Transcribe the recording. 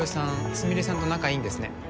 スミレさんと仲いいんですね